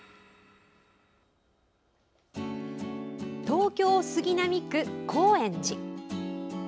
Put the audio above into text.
東京・杉並区高円寺。